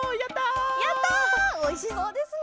おいしそうですね。